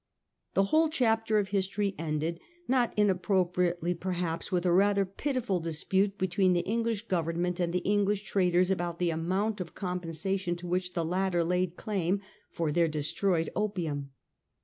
The whole chapter of history ended, not inappro priately perhaps, with a rather pitiful dispute between the English Government and the English traders about the amount of compensation to which the latter laid claim for their destroyed opium.